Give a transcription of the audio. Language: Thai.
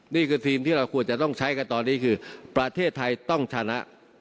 นี่คือทีมที่เราควรจะต้องใช้กันตอนนี้คือประเทศไทยต้องชนะ